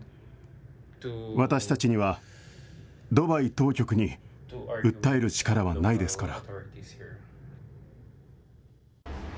私たちには、ドバイ当局に訴える力はないですから。